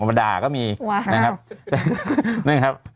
มาด่าก็มีนะครับ